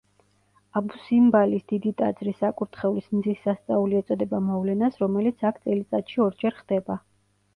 აბუ-სიმბალის დიდი ტაძრის საკურთხევლის „მზის სასწაული“ ეწოდება მოვლენას, რომელიც აქ წელიწადში ორჯერ ხდება.